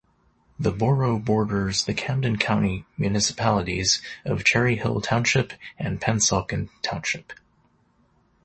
The borough borders the Camden County municipalities of Cherry Hill Township and Pennsauken Township.